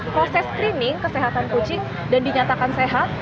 proses screening kesehatan kucing dan dinyatakan sehat